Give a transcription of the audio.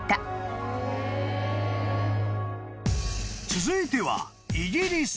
［続いては］